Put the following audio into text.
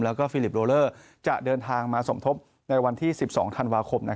แล้วก็ฟิลิปโลเลอร์จะเดินทางมาสมทบในวันที่๑๒ธันวาคม